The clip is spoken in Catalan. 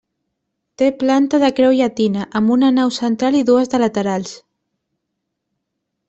Té planta de creu llatina, amb una nau central i dues de laterals.